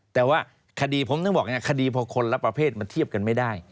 แต่ว่าคดีผมต้องบอกอย่างนี้คดีของคนและประเภทมันเทียบกันไม่ได้